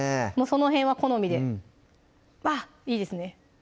その辺は好みであっいいですね